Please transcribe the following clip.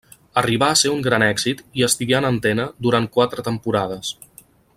Arribà a ser un gran èxit i estigué en antena durant quatre temporades.